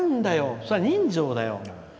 そりゃ人情だよ。